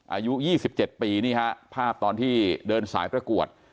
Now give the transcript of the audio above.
อายุ๒๗ปีนี่ฮะภาพตอนที่เดินสายประกวด